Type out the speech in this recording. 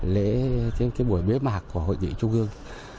lễ buổi bế mạc của hội nghị trung ương